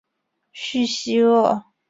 叙西厄。